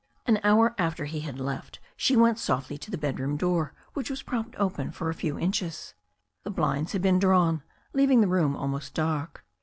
An hour after he had left she went softly to the bed room door, which was propped open for a few inches. The blinds had been drawn, leaving the room almost dark.